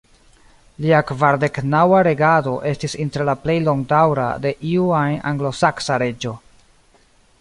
Lia kvardek-naŭa regado estis inter la plej longdaŭra de iu ajn anglosaksa reĝo.